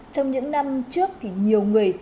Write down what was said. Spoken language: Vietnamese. trong những năm trước thì nhiều người